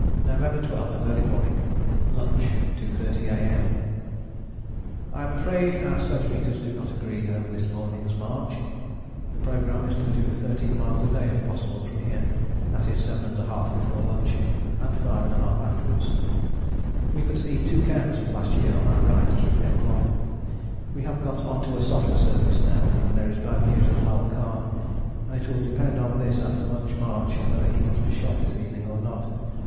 November 12. Early morning. Lunch 2.30 A.M. I am afraid our sledge meters do not agree over this morning's march. The programme is to do thirteen miles a day if possible from here: that is 7½ before lunch and 5½ afterwards. We could see two cairns of last year on our right as we came along. We have got on to a softer surface now and there is bad news of Lal Khan, and it will depend on this after lunch march whether he must be shot this evening or not.